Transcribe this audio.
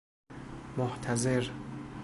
محتضر